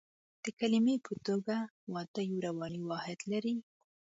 د کلمې په توګه واده یو رواني واحد دی